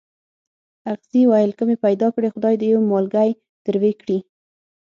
اغزي ویل که مې پیدا کړې خدای دې یو مالګی تروې کړي.